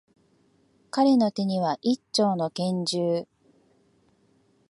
彼の手には、一丁の拳銃。